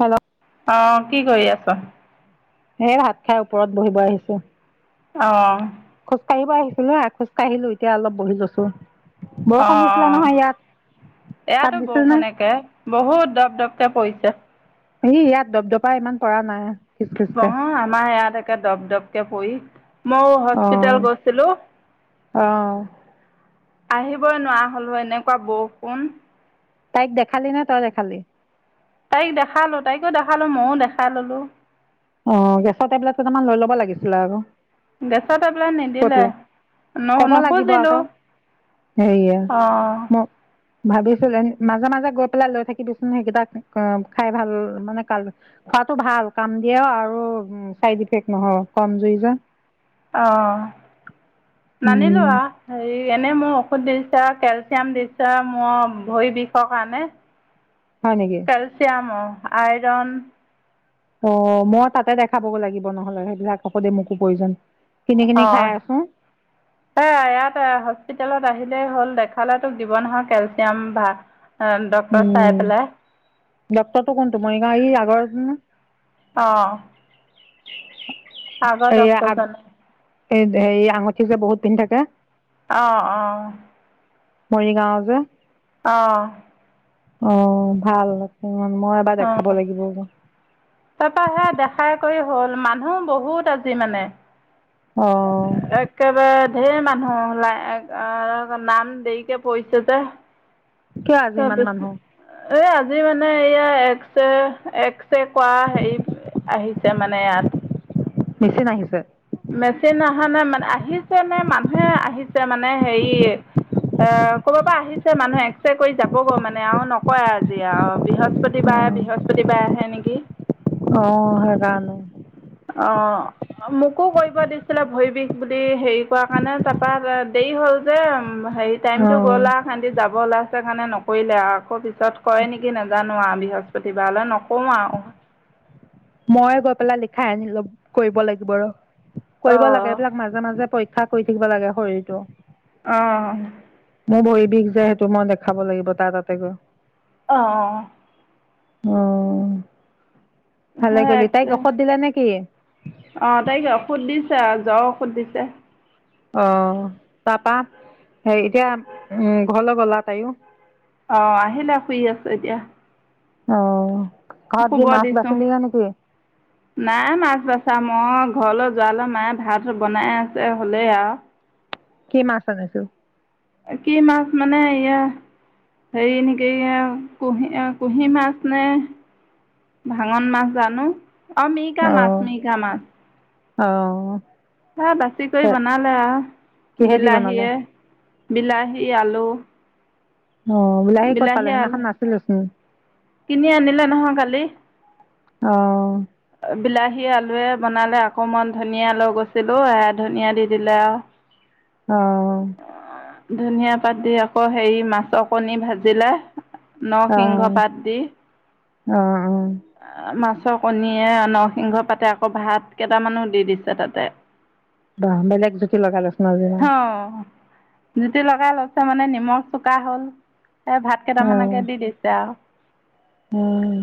Hello অঁ কি কৰি আছ। হে ভাত খাই ওপৰত বহিব আহিছো। অঁ। খোজ কাঢ়িব আহিছিলো না খোজকাাঢ়িলো এতিয়া অলপ বহি লৈছো। অঁ বৰষুণ দিছিলে অঁ নহয় ইয়াত তাত এয়াতো দিছিল নে বৰষুনেকে বহুত দপ দপকে পৰিছে। ই ইয়াত দপদপা ইমান পৰা নাই। খিচ খিচকে অঁ আমাৰ ইয়াত।। একে দপ দপকে পই। মই অ হস্পিতেল গৈছিলো। অ আহিবই নোৱাৰা হ'লো এনেকুৱা বৰষুণ। তাইক দেখালি ন তই দেখালি। তাইক দেখালো তাইকো দেখালো মইয়ো দেখা ললো। অঁ গেছৰ টেবলেট কেইটামান লৈ ল'ব লাগিছিলে আৰু। গেছৰ টেবেলেট নিদিলে ন ক'ব লাগিব নুখুজিলোঁ আকৌ হেৰিয়ে অঁ। মোক ভাবিছিলো এ মাজে মাজে গৈ পেলাই লৈ থাকিবিচোন সেইকেইটা খাই ভাল মানে কাল খোৱাতটো ভাল কাম। দিয়া আৰু চাইড ইফেক্ট নহয় কম জুই যে। অঁ। উম নানিলোৱা এই। এনেই মোৰ ঔষধ দিছো কেলচিয়াম দিছো মোৰ ভৰি বিষৰ কাৰণে। হয় নেকি কেলছিয়াম। আইৰণ। অ মই তাতে দেখাব গৈ লাগিব নহলে সেইবিলাক ঔষধি মোকো প্ৰয়োজন। কিনি কিনি অ খাই আছো এ ইয়তে হস্পিতেলত। আহিলে হ'ল দেখালে তোক দিব নহয় কেলচিয়াম বা অ ডক্তৰ এ চাই পেলাই ডক্টৰটো কোনটো মৰিগাঁও এই আগৰ আহ [inaudible] আগৰ ডক্টৰজন হেৰি হেৰি আঙঠি যে বহুত পিন্ধি থাকে অ অ মৰিগাঁও যে অ অ ভাল মই এবাৰ অ দেখাব লাগিব তাৰ পৰা সেই দেখাই কৰি হ'ল মানুহ বহুত আজি মানে অ একেব ধেৰ মানুহ ওলাই নাম দেৰিকে পৰিছে যে কিয় আজি ইমান তাৰপিছত মানুহ এই আজি মানে এয়া এক্সৰে এক্সৰে কৰা হেৰি আহিছে মানে ইয়াত মেছিন নাহিছে মেচিন অহা নাই মানে আহিছে নে মানুহে আহিছে মানে হেৰি ক'ৰব পৰা আহিছে মানুহে এক্স ৰে কৰি যাবগৈ মানে আৰু নকয় আজি আৰু অ বৃহস্পতিবাৰে বৃহস্পতিবাৰে আহে নেকি অ সেইকাৰণে অ মোকো কৰিব দিছিলে ভৰি বিষ বুলি হেৰি কৰ কাৰণে তাৰপৰা দেৰি হ'ল যে উম হেৰি অ টাইমটো গ'ল আৰু এ সেটি যাব ওলাইছে প খানে নকৰিলে আৰু আকৌ পিছত কৰে নেকি নাজানো আৰু বৃহস্পতিবাৰলৈ নকৰো আৰু মই গৈ পেলাই লিখাই আনিলো কৰিব লাগিব আৰু কৰিব অঁ লাগে এইবিলাক মাজে মাজে পৰীক্ষা ক্ষা কৰি থাকিব লাগে শৰীৰটো অ মোৰ ভৰি বিষ যে সেইটো মই দেখাব লাগিব তাৰ তাতে গৈ আহ অ অঁ হে আহ তাইকে ঔষধ দিছা যাওক ধ দিছে অ তাৰপা হেৰি এতিয়া উ ঘৰলৈ গ'লা তাইও অ আহিলে শুই আছে এতিয়া অ ঘৰত কি শুব মাছ দিছো বাচিলিগে নেকি নাই মাছ বছা মই ঘৰলৈ যোৱালৈ মায়ে ভাত বনাই আছে হ'লেই আৰু কি মাছ আনিছো কি মাছ মানে ই হেৰি নেকি কুঁহি কুঁহি মাছ নে ভাঙন মাছ জানো অ মিকা মাছ অহ মিকা মাছ অ এ বাছি কৰি বনালো আৰু কিহেদি বনালা বিলাহীয়ে বিলাহী আলু অ বিলাহী কত পালে সিদিনাখন নাছিলে চোন কিনি আনিলে নহয় কালি অ বিলাহী আলুৱে বনালে অকণমান ধনীয়া লৈ গৈছিলো এ ধনীয়া দি দিলে আৰু অহ ধনীয়া পাত দি আকৌ হেৰি মাছৰ কণী ভাজিলে অ নৰসিংহ পাত দি অ অ মাছ ৰ কণীয়ে নৰসিংহ পাতে আকৌ ভাত কেইটামানো দি দিছে তাতে বাহ বেলেগ জুতি লগালে চোন অ জুতি লগাই লৈছে মানে নিমখ চোকা হ'ল এ ভাত কেইটামানকে দি দিছে আৰু উম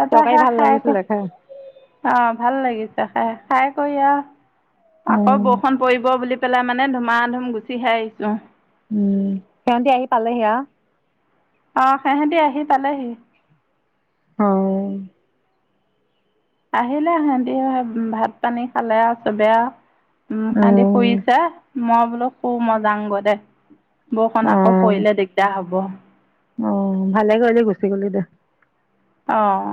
তাৰপৰা তৰকাৰী শেষ ভাল লাগিছিলে খাই খাওঁতা ভাল লাগিছে খাই-খাই কৰি। আহ, আকৌ উম বৰষুণ পৰিব বুলি পেলাই মানে ধুমা-ধুম গুচিহে আহিছো। উম, সিহতি আহি পালেহি আৰু। অহ, সিহঁতে আহি পালেহি। অ', আহিলে সিহতি ভাত পানী খালে চবে আৰু। উম সানদি ফুৰিছে মই বোলো শুম মই যাওগে দে বৰষুণ অ আকৌ পৰিলে দিগদাৰ হ'ব অহ ভালে কৰিলি গুচি গলি দে অহ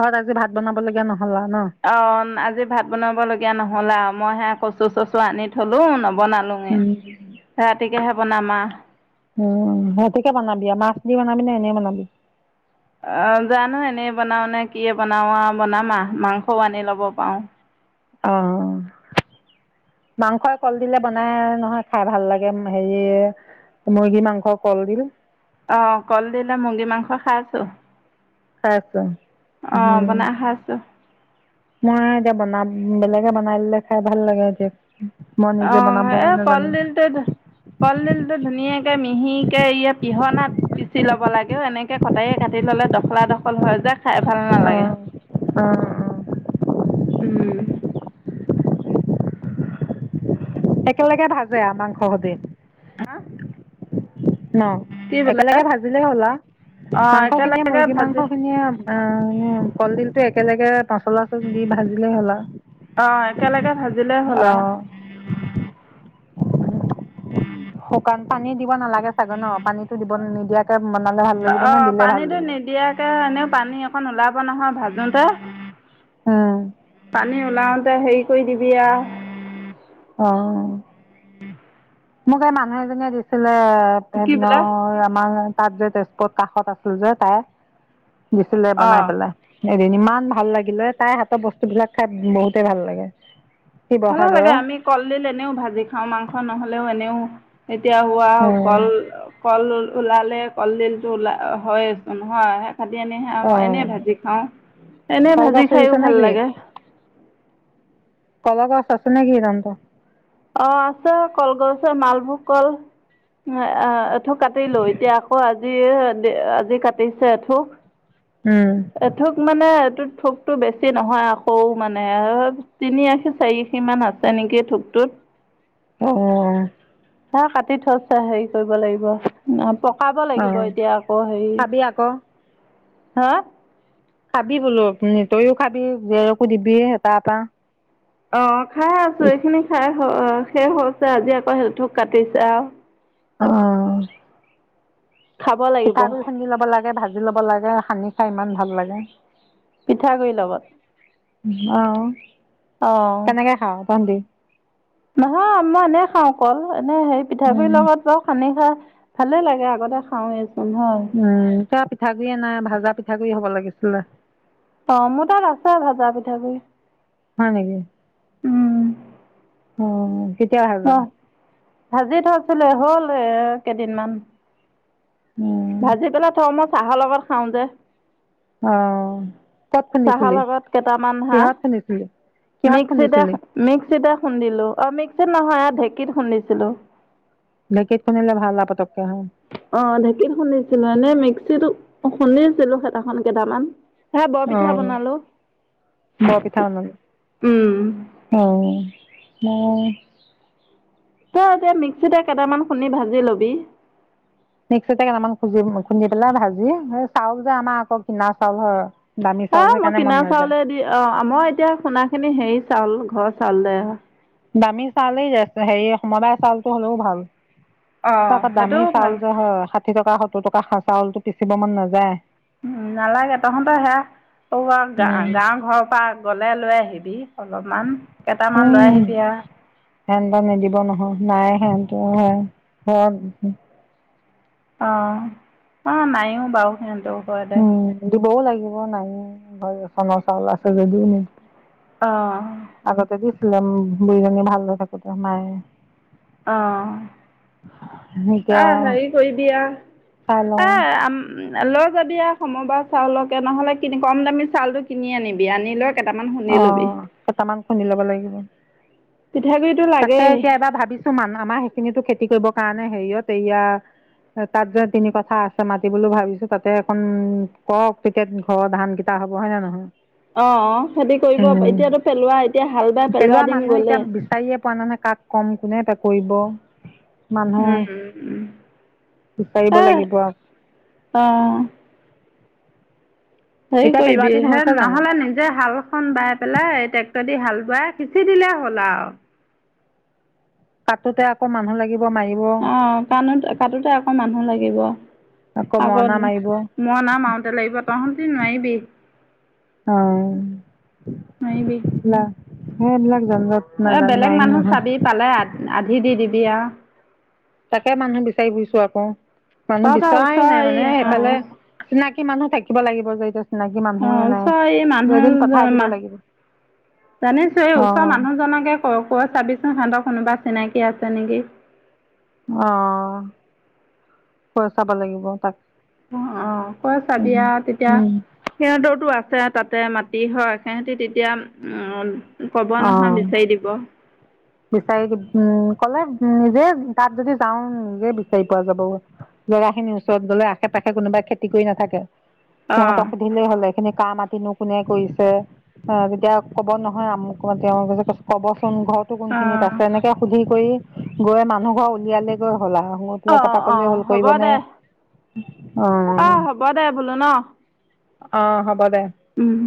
ঘৰত আজি ভাত বনাব লগীয়া নহয় অ আজি ভাত বনাব লগীয়া নহল আৰু মই হে কচু চচু আনি থলো ন বনালো মই উম ৰাতিকেহে বনানা [unintelligible] উম ৰাতিকে বনাবি আৰু মাছ দি বনাবি ন এনেই বনাবি অ জানো এনেই বনাও নে কি বনাও আৰু বনাম আহ মাংসও আনি লব পাৰও অ' মাংসই কলডিলে বনাই নহয় খাই ভাল লাগে। হেৰি মুৰ্গী মাংসৰ কলডিল অ' কলদিলে মুৰ্গী মাংস খাই আছোঁ‌। আছো উম। বনাই খাইছো মই এতিয়া বনাম বেলেগে বনাই দিলে খাই ভাল লাগে এতিয়া মই নিজে আহ বনাব এ নাজানিম কলডিলটো কলডিল টো ধুনীয়াকে মিহিকে কিহনাত পিচি ল'ব লাগেও এনেকৈ কটায়ে কাটি ল'লে দখলা দখল হৈ যায়। খাই ভাল অ নালাগে। অ অ উম একেলগে ভাজে মাংস সতে হ ন একেলগে ভাজিলেই হ'লা অ', মাংস খিনিয়ে একেলগে মুৰ্গী মাংস ভাজি খিনিয়ে কলডিলটোৱে কেনেকে প চলা চল দি ভাজিলে হলা অ', একেলগে ভাজিলে হ'ল আৰু। আহ শুকান পানী দিব নালাগে চাগে ন পানীতো দিব নিদিয়াত অ' পানীতো নিদিয়াকে এনেও পানী অকণ ওলাব নহয়। ভাজোতে আহ ম পানী ওলাওতে হেৰি কৰি দিবি আহ আহ মোক এই মানুহ এজনীয়ে দিছিল। তে কি সেইদিন বোলে আমাৰ। তাত যে তেজপত কাষত আছিল যে তাই। দিছিলে বনাই অ'। পেলায়। এদিন ইমান ভাল লাগিলে তাইৰ হাতৰ বস্তুবিলাক খাই বহুতেই ভাল লাগে। ভাল শিৱসাগৰৰ লাগে আমি কলডিল এনেও ভাজি খাওঁ মাংস নহ'লেও এনেও এতিয়া হোৱা অঁ কল কল ওলালে কলডিলটো ওলা হয়চোন হয় ভাটি আনিহে এনেই অঁ ভাজি খাওঁ। এনে ভাজি কলগছ খাইয়ো ৰুইছে নে ভাল কি? লাগে। সচনে ঘি ইমানতে অ' আছে কলগছছে মালভোগ কল এথোক কাটিলো এতিয়া আকৌ আজি আজি কাটিছে। এঠুক উম, এথোক মানে এইটো। থোকটো বেছি নহয়। আকৌ মানে তিনি আশী চাৰি আশীমান আছে নেকি ঠোকটোত। অ' অ' চা কাটি থৈছা হেৰি কৰিব লাগিব পকাব লাগিব অ', এতিয়া আকৌ হেৰি খাবি আকৌ। হা খাবি বোলো তইও খাবি জৰকো দিবি হ তাৰপ [unintelligible] অঁ। খাই আছো এইখিনি খাই। অ অ শেষ হৈছে আজি আকৌ সেই তোক কাটিছো আৰু। অঁ। খাব লাগিব পিঠাগু় খুন্দি ল'ব লাগে ভাজ [unintelligible] জি ল'ব লাগে সানি খাই ইমান ভাল লাগে। পিঠাগুড়ি লগত। আহ। অ'। কেনেকে খাও তহঁতি। নহয় মই এনে খাওঁ অ অকল। মানে হেৰি পিঠাগুৰি উম, লগত বাও সানি খাই। ভালে লাগে আগতে খাওঁয়েই। উম। পিঠাগুৰি নাই ভাজা পিঠাগুডৰি হ'ব লাগিছিলে। অ মোৰ তাত আছে ভাজা পিঠাগুৰি। হয় নেকি অ কেতিয়া ভাজা। অ' ভাজি থৈছিলে হ'ল এ কেইদিনমান। উম, ভাজি পেলাই থ মই চাহৰ লগত খাওঁ যে। আহ। চাহৰ লগত কেইটামান হাঁ খুন্দিছিলি? কিহত মিক্সিতে খুন্দিছিলি? মিক্সিতে। খুন্দিলো অমিক্সিত নহয় ঢেঁকীত খুন্দিছিলো। ঢেঁকীত খুন্দিলে ভাল আও পাতকে। অ ঢেঁকীত শুনিছিলো এনে মিক্সিতটো। শুনিছিলো হেতাখন কেইটামান। সেয়া বৰ অ পিঠা বনালো বৰ পিঠা উম বনালো অহ। মম, তই এতিয়া মিক্সিততেটা কেইটামান খুন্দি ভাজি লবি। মিক্সতে কেইটামান খুি খুন্দি পেলাই ভাজি চাউল যে আমাৰ আকৌ কিনা চাউল হয়। দামী অ চাউল মই সেইকাৰণে মন কিনাৰ নাযায় চাউলে দি অ আমই এতিয়া খোণা খিনি হেৰি চাউল। ঘৰৰ চাল দে। দামী চাউলে হেৰি সমবায় চাউলটো হ'লেও ভাল। অ তাক দামি সেইটোও ভাল। চউল যে হয়। ষাঠি টকা সত্তৰ টকা চাউল টো পিচিব মন নাযায়। উম নালাগে তহঁতৰ সেয়া ত গা উম, গাৱৰ ঘৰৰ পৰা। ওলাই ললৈ আহিবি। অলপমান কেইটামান লৈ আহিবি আৰু। সেন নিদিব নহয় নাই সেনতো ঘৰত অ অ নাইও বাৰু সিহতো উম দিবও লাগে নাই ঘৰ চাউল আছে যদি ন আহ বুঢীজনী ভাল ন থাকোতে মায়ে অ এতিয়া আহ হেৰি কৰিবি চাই লওঁ এ আম লৈ যদি সমবাৰ চাউলকে নহ'লে কম দামী চাউলটো কিনি আনিবি আনি লৈ কেইটামান খুন্দি অ ল'বি কেইটামান খুন্দি ল'ব লাগিব পিঠাগুড়িটো তাকে লাগেই এতিয়া এবাৰ ভাবিছো মান আমাৰ সেইখিনিতো খেতি খেতি কৰিবৰ কাৰণে হেৰিয়ত এয়া কাৰ্য তিনি কথা আছে মাতি বুলি ভাবিছো তাতে এখন কওক তেতিয়া ঘৰৰ ধান কেইটা হ'ব হয় ন নহয় অ অ খেতি কৰিব উম, এতিয়াতো পেলোৱা এতিয়া হাল বাই পেলোৱা দিন মানুহ এতিয়া গলে বিচাৰিয়ে পোৱা নাই নহয় কাক কম কোনে এটা কৰিব মানুহ উম বিচাৰিব লাগিব আৰু অ হেৰি এতিয়া পেলোৱা কৰিবি দিন হে হৈছে জানো নহলে নিজে হালখন বাই পেলাই টেক্টৰ দি হাল বাই সিঁচি দিলে হ'ল আৰু কাটোতে আকৌ মানুহ লাগে অ কাণোত কাটোতে আকৌ মানুহ লাগিব আকৌ মৰণা মাৰিব মৰণা মাওঁতে ত লাগিব তহটি নোৱাৰিবি অ নোৱাৰিবি ন হেবিলাগ এ বেলেগ মানুহ চাবি পালে আ আধি দি দিবিয়া তাকে মানুহ বিচাৰি ফুৰিছো আকৌ মানুহ তহঁতৰ বিচৰা ওচৰ নাই এই মানে অঁ সফালে চিনাকি মানুহ থাকিব লাগিব যে এটি অ ওচৰ এই মানুহ পঠাই দিব লাগিব জানিছো এই অ ওচৰৰ মানুহজনকে কৈ চাবিচোন সিহতক কোনোবা চিনাকি আছে নেকি অ কৈ চাব লাগিব তাক অ অ কৈ চাবি উম আও তেতিয়া উম সিহঁতৰো টো আছে তাতে মাটি হয় সিহতি তেতিয়া উ ক'ব অ নহয় বিচাৰি দিব বিচাৰি উম ক'লে নিজে তাত যদি যাওঁ নিজে বিচাৰি পোৱা যাব জেগা খিনিৰ ওচৰত গলে আশে পাশে কোনোবাই খেতি কৰি নাথাকে অঁ সিহঁতক সুধিলেই হ'লে এইখিনি কাম আতিনো কোনে কৰিছে অ তেতিয়া কব নহয় আমুকত কবচোন ঘৰত যাওঁ কবচোন ঘৰত সেইটো কোনখিনিত অঁ আছে এনেকে সুধি কৰি গৈ মানুহ ঘৰ উলিয়ালে গৈ শুলা শুই অ পেলাই তাৰপা অ কলে হল হ'ব কৰিব নে দে অ হ'ব দে বোলো ন অহ হব হব দে উম